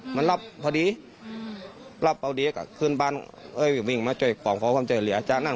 มันรับพอดีรับพอดีก็คืนบ้านวิ่งมาเจอกล่องเขาความเจ๋อเหลี่ยจากนั้น